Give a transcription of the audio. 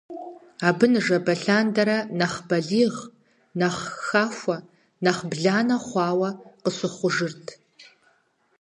Абы ныжэбэ лъандэрэ нэхъ балигъ, нэхъ хахуэ, нэхъ бланэ хъуауэ къыщыхъужырт.